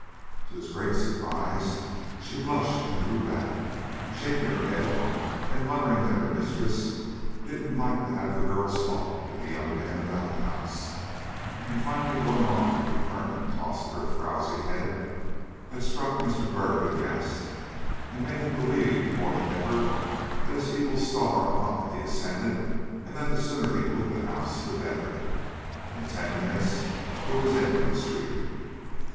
To his great surprise she blushed and drew back, shaking her head and muttering that her mistress didn't like to have the girls talk to the young men about the house, and finally going off with a determined toss of her frowsy head, that struck Mr. Byrd aghast, and made him believe more than ever that his evil star hung in the ascendant, and that the sooner he quit the house the better. In ten minutes he was in the street.